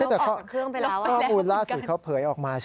หลากลายมาก